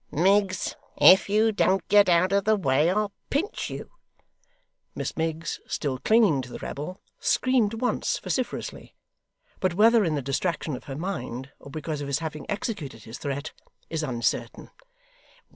Miggs, if you don't get out of the way, I'll pinch you.' Miss Miggs, still clinging to the rebel, screamed once vociferously but whether in the distraction of her mind, or because of his having executed his threat, is uncertain.